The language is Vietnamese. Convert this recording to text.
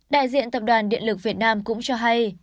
đại diện tập đoàn điện lực việt nam cũng cho hay